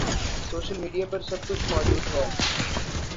social media پر سب کچھ موجود ہے